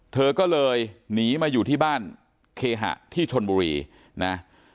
เธอก็เลยหนีมาอยู่ที่บ้านเคหะที่ชนบุรีนะ